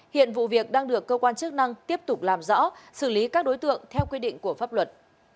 hiện vụ việc đang được cơ quan chức năng tiếp tục làm rõ xử lý các đối tượng theo quy định của pháp luật